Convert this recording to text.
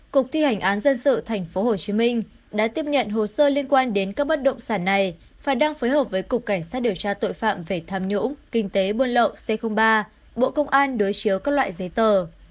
cục thi hành án dân sự tp hcm đã tiếp nhận hồ sơ liên quan đến các bất động sản này và đang phối hợp với cục cảnh sát điều tra tội phạm về tham nhũng kinh tế buôn lậu c ba bộ công an đối chiếu các loại giấy tờ